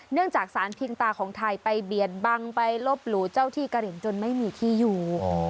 เนื่องจากสารเพียงตาของไทยไปเบียดบังไปลบหรูเจ้าที่กะเรียงจนไม่มีที่อยู่